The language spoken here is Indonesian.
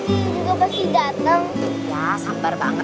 jangan lupa like share dan subscribe ya